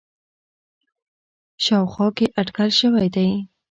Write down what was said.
ه شاوخوا کې اټکل شوی دی